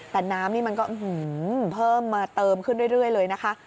แต่น้ำนี่มันก็เพิ่มมาเติมขึ้นเรื่อยเลยนะคะ